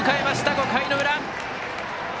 ５回の裏。